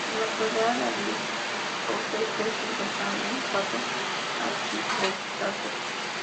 En la actualidad la diócesis se estructura en cuatro arciprestazgos.